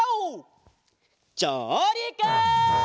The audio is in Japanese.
じょうりく！